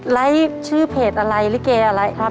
ชื่อเพจอะไรลิเกอะไรครับ